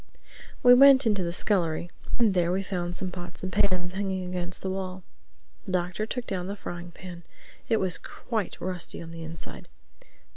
We went into the scullery and there we found some pots and pans hanging against the wall. The Doctor took down the frying pan. It was quite rusty on the inside.